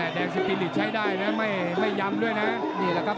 โอ้โหแดงโชว์แล้วโชว์อีกเลยเดี๋ยวดูผู้ดอลก่อน